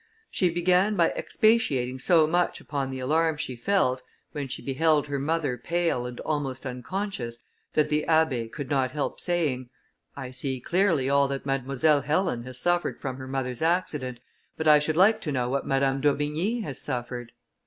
She began by expatiating so much upon the alarm she felt, when she beheld her mother pale and almost unconscious, that the Abbé could not help saying, "I see clearly all that Mademoiselle Helen has suffered from her mother's accident, but I should like to know what Madame d'Aubigny has suffered."